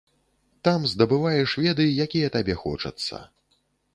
Там здабываеш веды, якія табе хочацца.